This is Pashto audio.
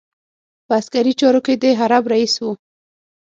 په عسکري چارو کې د حرب رئیس وو.